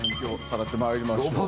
さらってまいりましょう。